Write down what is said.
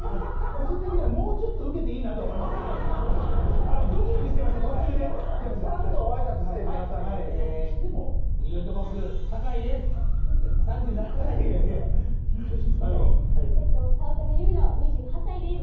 個人的にはもうちょっとウケていいなと思いましたドキドキしてました途中でちゃんとごあいさつして皆さんに鬼越トマホーク坂井です３７歳です緊張しすぎかお前早乙女ゆみの２８歳です